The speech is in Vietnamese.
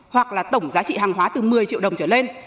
hoặc là tổng giá trị hàng hóa từ một mươi triệu đồng trở lên